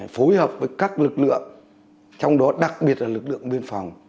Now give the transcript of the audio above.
phối hợp với các lực lượng trong đó đặc biệt là lực lượng biên phòng